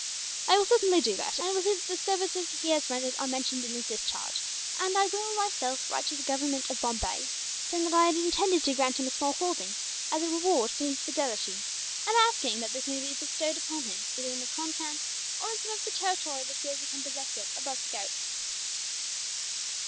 "I will certainly do that, and will see that the services he has rendered are mentioned in his discharge; and I will, myself, write to the Government of Bombay, saying that I had intended to grant him a small holding, as a reward for his fidelity; and asking that this may be bestowed upon him, either in the Concan, or in some of the territory that we have become possessed of above the Ghauts."